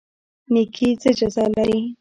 نیکي څه جزا لري؟